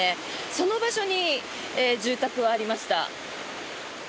その場所に住宅はありました。